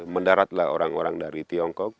mendaratlah orang orang dari tiongkok